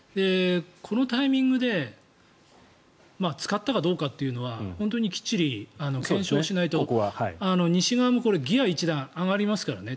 このタイミングで使ったかどうかというのは本当にきっちり検証しないと西側もこれはギアが１段上がりますからね。